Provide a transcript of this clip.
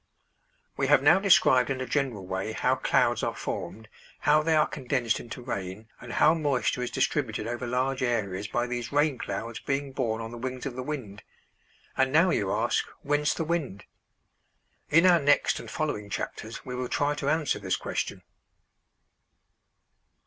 We have now described in a general way how clouds are formed, how they are condensed into rain, and how moisture is distributed over large areas by these rain clouds being borne on the wings of the wind; and now you ask, Whence the wind? In our next and following chapters we will try to answer this question.